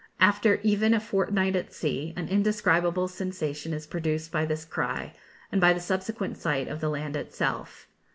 After even a fortnight at sea, an indescribable sensation is produced by this cry, and by the subsequent sight of the land itself.